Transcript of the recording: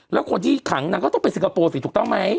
แล้วคนที่ขังนางก็ต้องไปสิงคโปร์สิถูกต้องไหม